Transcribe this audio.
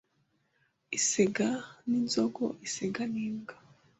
Isega n'inzigo isega n,imbwa